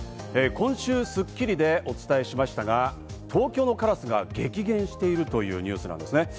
今週『スッキリ』でお伝えしましたが、東京のカラスが激減しているというニュースなんですね。